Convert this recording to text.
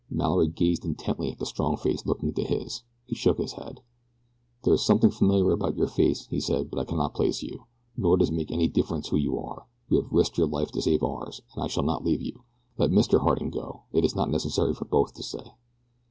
Mallory gazed intently at the strong face looking into his. He shook his head. "There is something familiar about your face," he said; "but I cannot place you. Nor does it make any difference who you are you have risked your life to save ours and I shall not leave you. Let Mr. Harding go it is not necessary for both to stay."